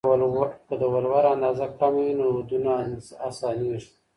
که د ولور اندازه کمه وي، نو ودونه اسانېږي.